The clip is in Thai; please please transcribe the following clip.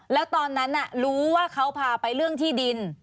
แล้วตอนนั้นรู้ว่าเขาพาไปเรื่องที่ดิน